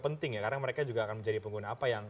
penting ya karena mereka juga akan menjadi pengguna apa yang